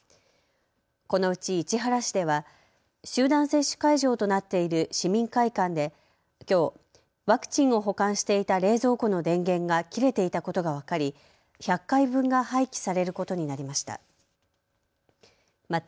このうち市原市では集団接種会場となっている市民会館できょう、ワクチンを保管していた冷蔵庫の電源が切れていたことが分かり１００回分が廃棄されることになりました。